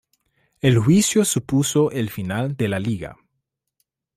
El juicio supuso el final de la Liga.